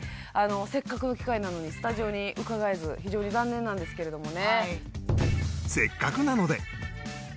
せっかくの機会なのにスタジオに伺えず非常に残念なんですけれどもね。